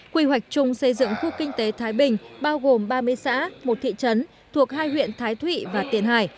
quy hoạch chung xây dựng khu kinh tế thái bình bao gồm ba mươi xã một thị trấn thuộc hai huyện thái thụy và tiền hải